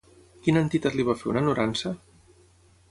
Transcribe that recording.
Quina entitat li va fer una honorança?